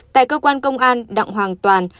tại cơ quan công an đặng hoàng toàn